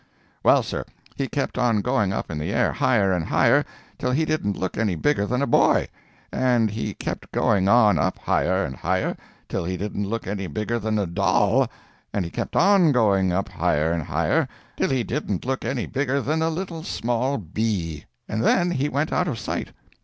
Well, sir, he kept on going up in the air higher and higher, till he didn't look any bigger than a boy—and he kept going on up higher and higher, till he didn't look any bigger than a doll—and he kept on going up higher and higher, till he didn't look any bigger than a little small bee—and then he went out of sight!